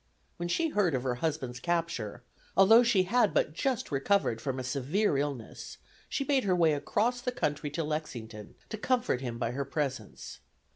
When she heard of her husband's capture, although she had but just recovered from a severe illness, she made her way across the country to Lexington, to comfort him by her presence.